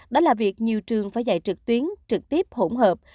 đó là việc nhiều trường phải dạy trực tuyến trực tiếp hỗn hợp